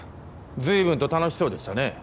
ずいぶんと楽しそうでしたね